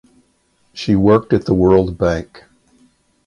She worked at the World Bank.